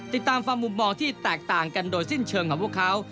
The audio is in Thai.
ติดตามฟังมุมมองที่แตกต่างกันโดยสิ้นเชิงของพวกเขา